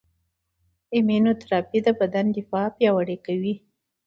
د ایمونوتراپي د بدن دفاع پیاوړې کوي.